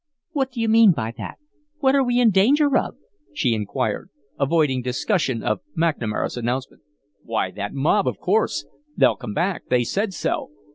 "What do you mean by that? What are we in danger of?" she inquired, avoiding discussion of McNamara's announcement. "Why, that mob, of course. They'll come back. They said so.